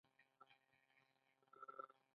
افغانستان کې د لرګیو او ډبرو هنري کارونه مشهور دي